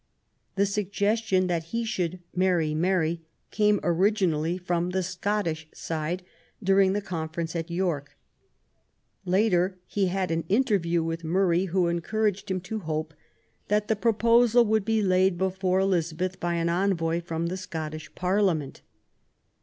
The suggestion that he should marry Mary came originally from the Scottish side, during the conference at York, Later, he had an interview ii6 QUEEN ELIZABETH. with Murray, who encouraged him to hope that the proposal would be laid before Elizabeth by an envoy from the Scottish Parliament.